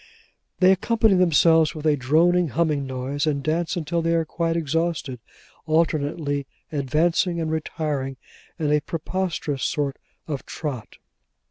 They accompany themselves with a droning, humming noise, and dance until they are quite exhausted, alternately advancing and retiring in a preposterous sort of trot.